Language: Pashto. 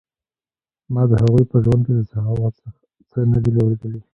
ما د هغوی په ژوند کې د سخاوت څه نه دي اوریدلي.